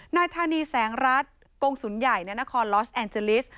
นายธานีแสงรัฐกงศูนย์ใหญ่ในนครลอสแอนเจลิส